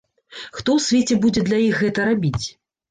Хто ў свеце будзе для іх гэта рабіць?